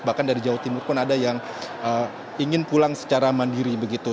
bahkan dari jawa timur pun ada yang ingin pulang secara mandiri begitu